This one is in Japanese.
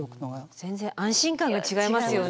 全然安心感が違いますよね。